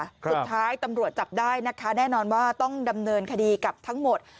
สุดท้ายตำรวจจับได้นะคะแน่นอนว่าต้องดำเนินคดีกับทั้งหมด